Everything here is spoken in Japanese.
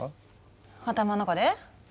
頭の中で？